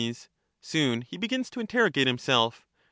Soon he begins to interrogate himself.